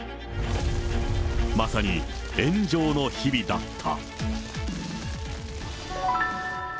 まさに炎上の日々だった。